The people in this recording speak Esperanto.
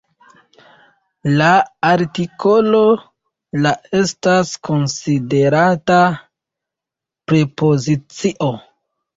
La artikolo "la" estas konsiderata "prepozicio".